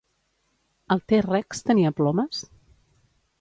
El T-Rex tenia plomes?